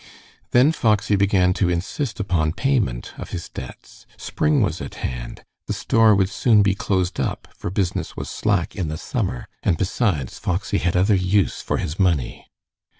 Then Foxy began to insist upon payment of his debts. Spring was at hand, the store would soon be closed up, for business was slack in the summer, and besides, Foxy had other use for his money.